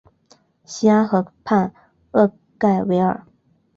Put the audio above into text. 西安河畔厄盖维尔。